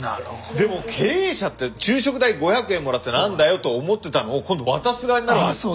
でも経営者って昼食代５００円もらって何だよと思ってたのを今度渡す側になるわけですよね。